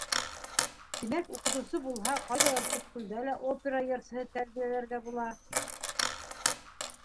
Тимәк, уҡытыусы булһа, ҡайҙалыр төпкөлдә лә опера йырсыһы тәрбиәләргә була.